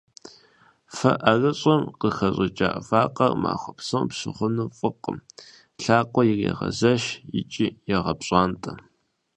Фэ ӏэрыщӏым къыхэщӏыкӏа вакъэр махуэ псом пщыгъыну фӏыкъым, лъакъуэр ирегъэзэш икӏи егъэпщӏантӏэ.